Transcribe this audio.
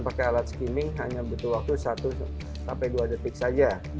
pakai alat skimming hanya butuh waktu satu sampai dua detik saja